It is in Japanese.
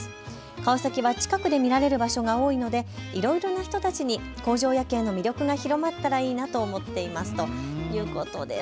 川崎は近くで見られる場所が多いのでいろいろな人たちに工場夜景の魅力が広まったらいいなと思っていますということです。